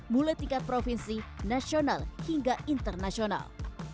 mulai tingkat provinsi nasional hingga internasional